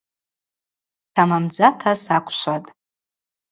Тамамдзата саквшватӏ!